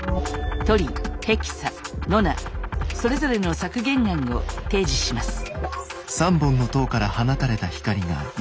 トリヘキサノナそれぞれの削減案を提示します。